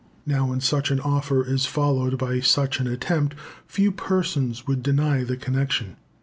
Now when such an offer is followed by such an attempt, few persons would deny the connection.